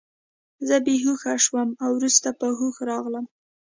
زه بې هوښه شوم او وروسته په هوښ راغلم